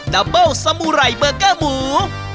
ับเบิ้ลสมุไรเบอร์เกอร์หมู